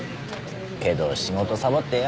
けど仕事サボってよ。